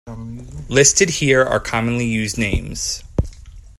Listed here are commonly used names.